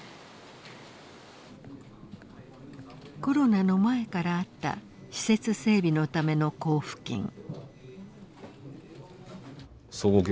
コロナの前からあった施設整備のための交付金。